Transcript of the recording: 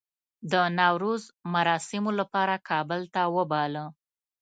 د نوروز مراسمو لپاره کابل ته وباله.